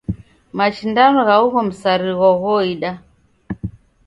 Mashindano gha ugho msarigho ghoindana.